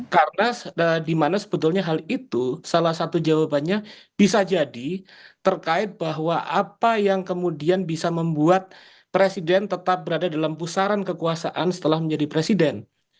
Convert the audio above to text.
karena dimana sebetulnya hal itu salah satu jawabannya bisa jadi terkait bahwa apa yang kemudian bisa membuat presiden tetap berada dalam pusaran kekuasaan setelah menjadi presiden